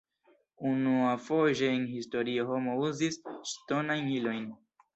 Unuafoje en historio homo uzis ŝtonajn ilojn.